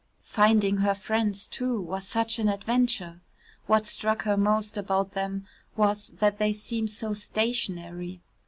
Finding her friends too was such an adventure. What struck her most about them was that they seemed so stationary.